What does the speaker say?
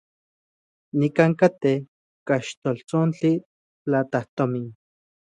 Nikan katej kaxltoltsontli platajtomin.